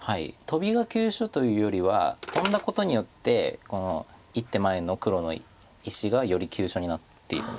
トビが急所というよりはトンだことによってこの１手前の黒の石がより急所になっているんですよね。